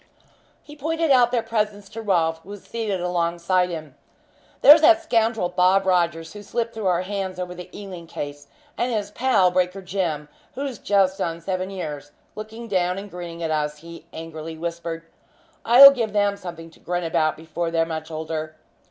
He pointed out their presence to Rolfe, who was seated alongside him. "There's that scoundrel Bob Rogers, who slipped through our hands over the Ealing case, and his pal, Breaker Jim, who's just done seven years, looking down and grinning at us," he angrily whispered. "I'll give them something to grin about before they're much older.